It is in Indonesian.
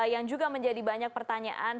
yang juga menjadi banyak pertanyaan